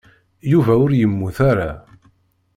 Yuba ur yemmut ara.